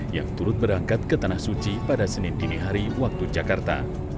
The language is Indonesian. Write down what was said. yang turut berangkat ke tanah suci pada senin dini hari waktu jakarta